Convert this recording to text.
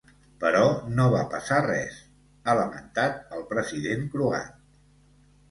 Però no va passar res ha lamentat el president croat.